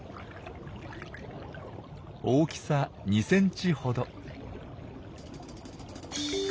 大きさ２ｃｍほど。